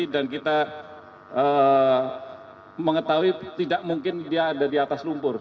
dan kita mengetahui tidak mungkin dia ada di atas lumpur